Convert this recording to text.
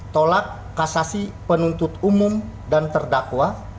tolak kasasi penuntut umum dan terdakwa